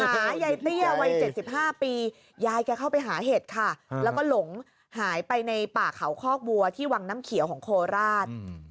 หายายเตี้ยวัย๗๕ปียายแกเข้าไปหาเห็ดค่ะแล้วก็หลงหายไปในป่าเขาคอกวัวที่วังน้ำเขียวของโคราช